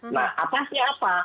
nah atasnya apa